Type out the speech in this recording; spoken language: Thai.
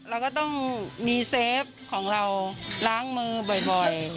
เราก็ต้องมีเซฟของเราล้างมือบ่อย